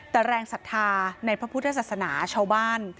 แต่แรงศรัทธาในพระพุทธศาสนาชาวบ้าน